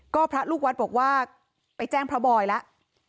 ก็พระลูกวัดบอกว่าไปแจ้งพระบอยแล้ว